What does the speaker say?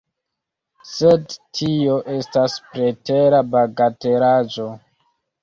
Sed tio estas pretera bagatelaĵo.